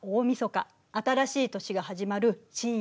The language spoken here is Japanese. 新しい年が始まる深夜０時。